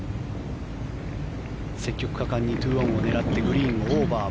積極果敢に２オンを狙ってグリーンをオーバー。